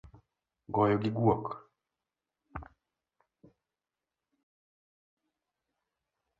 Goyo gi guok